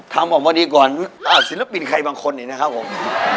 ทำออกมาดีก่อนฮึสิลปินใครบางคนนะครับผม